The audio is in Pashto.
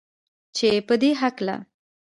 چې پدې هکله